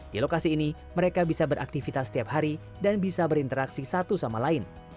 di lokasi ini mereka bisa beraktivitas setiap hari dan bisa berinteraksi satu sama lain